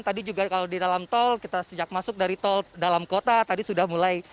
tadi juga kalau di dalam tol kita sejak masuk dari tol dalam kota